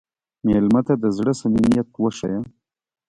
مېلمه ته د زړه صمیمیت وښیه.